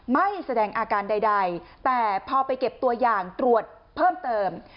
ไม่แสดงอาการใดแต่พอไปเก็บตัวอย่างตรวจเพิ่มเติม